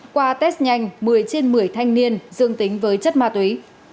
qua test nhanh một mươi trên một mươi thanh niên dương tính với chất ma túy